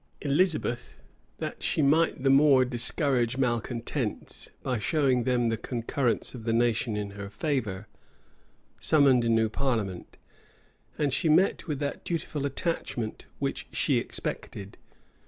Elizabeth, that she might the more discourage malecontents, by showing them the concurrence of the nation in her favor, summoned a new parliament; and she met with that dutiful attachment which she expected.